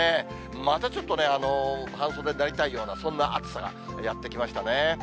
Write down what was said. またちょっとね、半袖になりたいような、そんな暑さがやってきましたね。